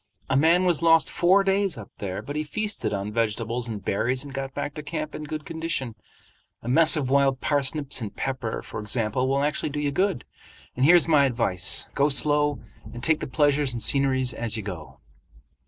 A man was lost four days up there, but he feasted on vegetables and berries and got back to camp in good condition. A mess of wild parsnips and pepper, for example, will actually do you good. And here's my advice—go slow and take the pleasures and sceneries as you go."